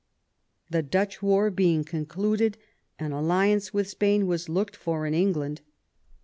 The Dutch war being concluded, an alliance with Spain was looked for in England.